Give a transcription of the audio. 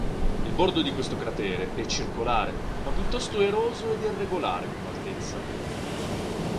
Il bordo di questo cratere è circolare, ma piuttosto eroso ed irregolare come altezza.